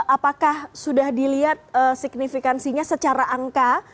apakah sudah dilihat signifikansinya secara angka